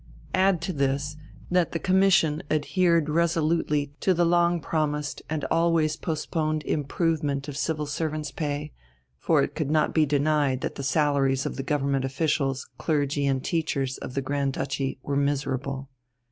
Add to this that the Commission adhered resolutely to the long promised and always postponed improvement of Civil servants' pay for it could not be denied that the salaries of the Government officials, clergy, and teachers of the Grand Duchy were miserable.